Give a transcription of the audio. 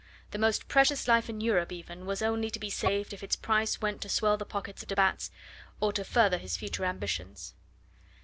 The most precious life in Europe even was only to be saved if its price went to swell the pockets of de Batz, or to further his future ambitions.